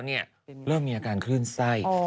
เริ่มมีอาการคลื่นไส้